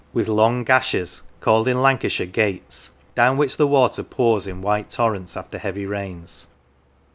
The Millstone Grit Country gashes called in Lancashire gaits, down which the water pours in white torrents after heavy rains.